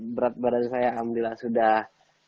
berat badan saya alhamdulillah sudah